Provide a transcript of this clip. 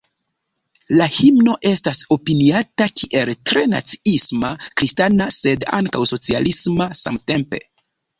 La himno estas opiniata kiel tre naciisma, kristana sed ankaŭ socialisma samtempe.